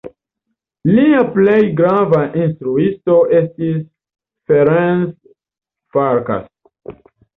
Lia plej grava instruisto estis Ferenc Farkas.